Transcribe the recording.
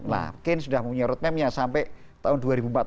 lah kane sudah punya roadmapnya sampai tahun dua ribu empat puluh lima